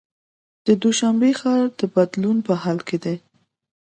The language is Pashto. د دوشنبې ښار د بدلون په حال کې دی.